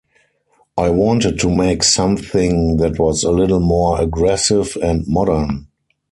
I wanted to make something that was a little more aggressive and modern.